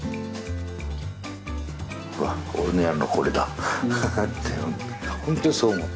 うわっ俺のやるのこれだ！って